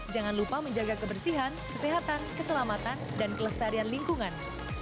jangan lupa menjaga kebersihan kesehatan keselamatan dan kelestarian lingkungan